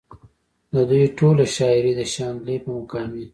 د دوي ټوله شاعري د شانګلې پۀ مقامي